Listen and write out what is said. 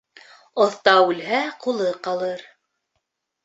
Оҫта үлһә, ҡулы ҡалыр.